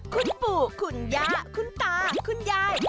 คุณปู่คุณย่าคุณตาคุณยาย